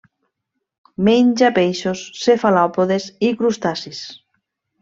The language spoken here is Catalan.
Menja peixos, cefalòpodes i crustacis.